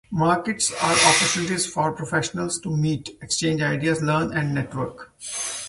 Markets are opportunities for professionals to meet, exchange ideas, learn and network.